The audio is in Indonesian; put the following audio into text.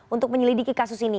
untuk menyelidiki kasus ini